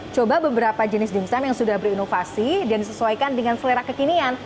coba beberapa jenis dimsum yang sudah berinovasi dan disesuaikan dengan selera kekinian